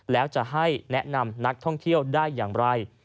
แล้วจะให้แนะนำนักท่องเที่ยวได้อย่างไร